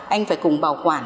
anh phải cùng bảo quản